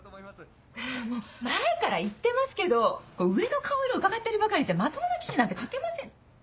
もう前から言ってますけど上の顔色うかがってるばかりじゃまともな記事なんて書けません。